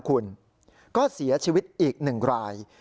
คุณก็เสียชีวิตอีก๑ราย